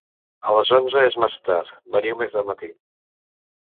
A les onze és massa tard: veniu més de matí.